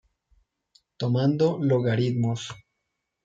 Tomando logaritmos.